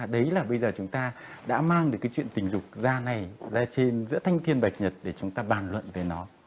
đấy là bây giờ chúng ta đã mang được cái chuyện tình dục ra ngày black trên giữa thanh thiên bạch nhật để chúng ta bàn luận về nó